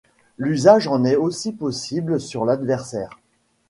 L'usage en est aussi possible sur l'adversaire.